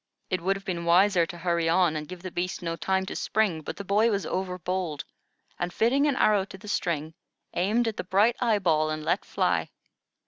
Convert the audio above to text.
It would have been wiser to hurry on and give the beast no time to spring; but the boy was over bold, and, fitting an arrow to the string, aimed at the bright eye ball and let fly.